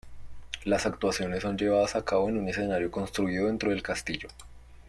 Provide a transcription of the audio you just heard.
Las actuaciones son llevadas a cabo en un escenario construido dentro del castillo.